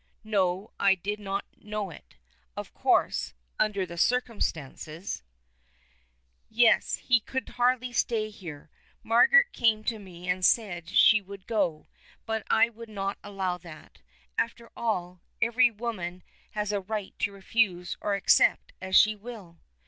"No, I did not know it. Of course, under the circumstances " "Yes, he could hardly stay here. Margaret came to me and said she would go, but I would not allow that. After all, every woman has a right to refuse or accept as she will."